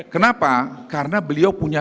kenapa karena beliau punya